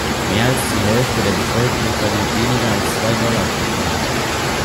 Mehr als die Hälfte der Bevölkerung verdient weniger als zwei Dollar pro Tag.